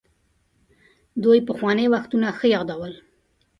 دوی پخواني وختونه ښه يادول.